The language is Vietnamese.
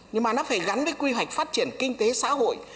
nhưng mà nó phải gắn với quy hoạch phát triển kinh tế xã hội